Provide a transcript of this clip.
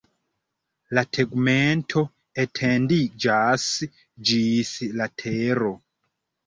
La tegmento etendiĝas ĝis la tero.